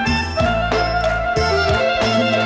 เปล่า